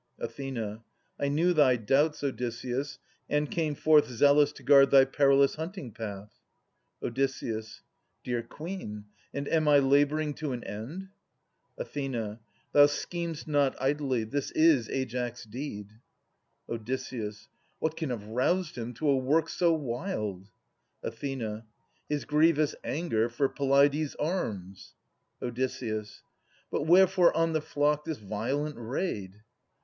Ath. I knew thy doubts, Odysseus, and came forth Zealous to guard thy perilous hunting path. Od. Dear Queen ! and am I labouring to an end ? Ath. Thou schem'st not idly. This is Aias' deed. Op. What can have roused him to a work so wild? Ath. His grievous anger for Peleides' arms. Od. But wherefore on the flock this violent raid?